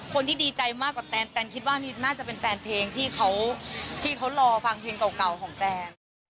คนที่ดีใจมากกว่าแตนคิดว่าน่าจะเป็นแฟนเพลงที่เขารอฟังเพลงเก่าของแตน